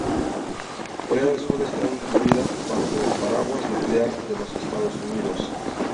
Corea del Sur está incluida bajo el paraguas nuclear de los Estados Unidos.